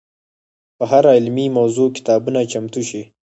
په هره علمي موضوع کتابونه چمتو شي.